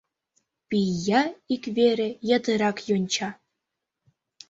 Пӱя ик вере ятырак йонча.